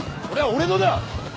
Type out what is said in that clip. それは俺のだ！